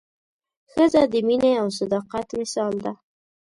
ښځه د مینې او صداقت مثال ده.